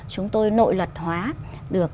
chúng tôi nội luật hóa được